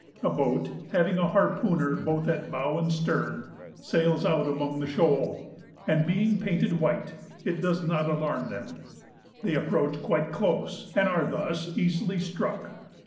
A boat, having a harpooner both at bow and stern, sails out among the shoal, and being painted white, it does not alarm them; they approach quite close, and are thus easily struck.